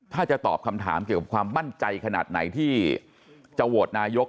ถ้าจะตอบคำถามเกี่ยวกับความมั่นใจขนาดไหนที่จะโหวตนายก